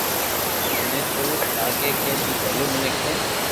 مني توو لاگي ھي تو ڀلو مينڪ ھي